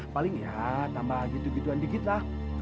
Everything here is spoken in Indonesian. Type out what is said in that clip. paling ya tambah gitu gituan dikit lah